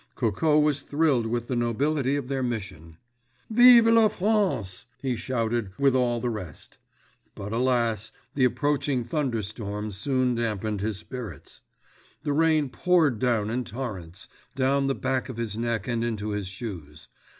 Coco was thrilled with the nobility of their mission. "Vive la France!" he shouted with all the rest; but alas, the approaching thunderstorm soon damped his spirits. The rain poured down in torrents, down the back of his neck and into his shoes.